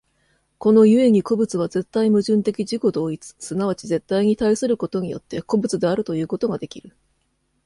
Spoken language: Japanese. この故に個物は絶対矛盾的自己同一、即ち絶対に対することによって、個物であるということができる。